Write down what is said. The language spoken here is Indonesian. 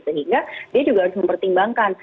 sehingga dia juga harus mempertimbangkan